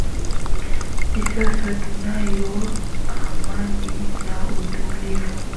i sasa tunayo amani na utulivu